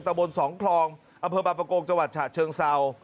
ตะบน๒ครองอบบาปปะโกงจฉเชิงเซา